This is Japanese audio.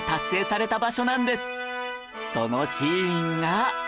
そのシーンが